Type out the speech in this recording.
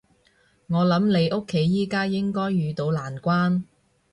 我諗你屋企而家應該遇到難關